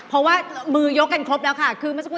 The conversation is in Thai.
เพราะว่ามือยกกันครบแล้วค่ะ